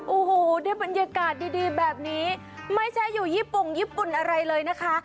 โอ้โหได้บรรยากาศดีแบบนี้ไม่ใช่อยู่ญี่ปุ่นญี่ปุ่นอะไรเลยนะคะ